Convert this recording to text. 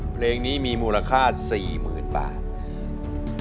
เพลงนี้มีมูลค่าสี่หมื่นบาท